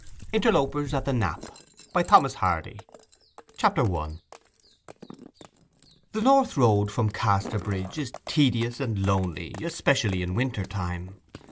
INTERLOPERS AT THE KNAP CHAPTER I The north road from Casterbridge is tedious and lonely, especially in winter time.